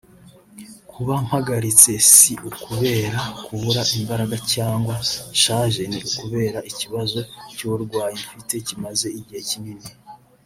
Kuba mpagaritse si ukubera kubura imbaraga cyangwa nshaje ni ukubera ikibazo cy’uburwayi mfite kimaze igihe kinini